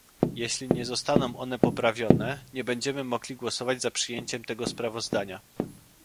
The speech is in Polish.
Jeśli nie zostaną one poprawione, nie będziemy mogli głosować za przyjęciem tego sprawozdania